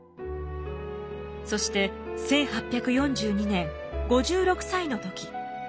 そして１８４２年５６歳の時。